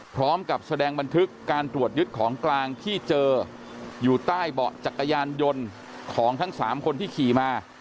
พร้อมกับแสดงบันทึกการตรวจยึดของกลางที่เจออยู่ใต้เบาะจักรยานยนต์ของทั้ง๓คนที่ขี่มา